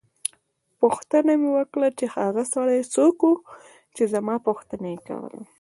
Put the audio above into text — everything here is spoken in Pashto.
پوښتنه مې وکړه چې هغه سړی څوک وو چې زما پوښتنه یې کوله.